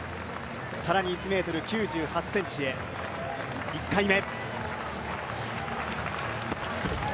更に１ｍ９８ｃｍへ、１回目。